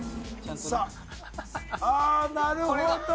ああなるほど！